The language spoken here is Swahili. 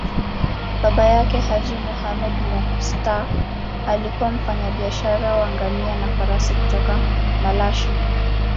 Baba yake, Haji Muhammad Mushtaq, alikuwa mfanyabiashara wa ngamia na farasi kutoka Malashi.